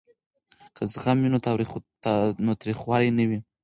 که زغم وي نو تریخوالی نه وي.